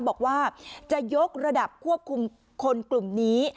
บอกว่าจะยกระดับควบคุมคนกลุ่มนี้